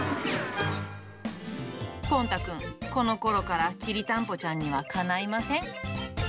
ぽん太くん、このころからきりたんぽちゃんにはかないません。